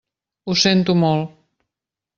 Ho sento molt.